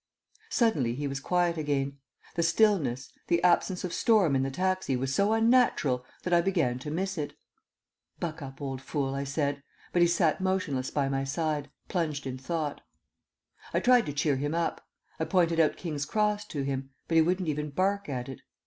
Suddenly he was quiet again. The stillness, the absence of storm in the taxi was so unnatural that I began to miss it. "Buck up, old fool," I said, but he sat motionless by my side, plunged in thought. I tried to cheer him up. I pointed out King's Cross to him; he wouldn't even bark at it.